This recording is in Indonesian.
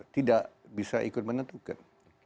tidak bisa ikut menentukan